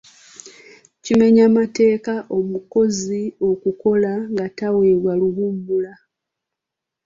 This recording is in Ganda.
Kimenya mateeka omukozi okukola nga taweebwa luwummula.